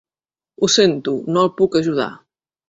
Ho sento, no el puc ajudar.